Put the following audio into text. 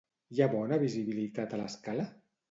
Hi ha bona visibilitat a l'escala?